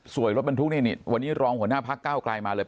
สวยรถมันทุกนิดวันนี้ร้องหัวหน้าภาคก้าวกลายมาเลย